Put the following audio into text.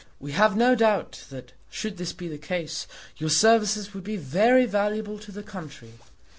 We have no doubt, that should this be the case, your services would be very valuable to the country.